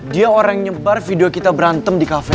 dia orang yang nyebar video kita berantem di kafe